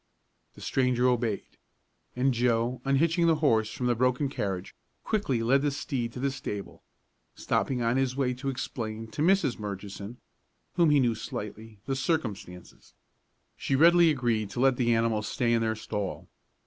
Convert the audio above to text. The stranger obeyed, and Joe, unhitching the horse from the broken carriage, quickly led the steed to the stable, stopping on his way to explain to Mrs. Murchison, whom he knew slightly, the circumstances. She readily agreed to let the animal stay in their stall.